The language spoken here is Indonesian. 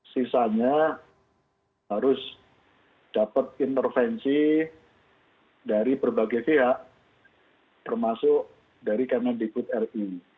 sisanya harus dapat intervensi dari berbagai pihak termasuk dari kemendikbud ri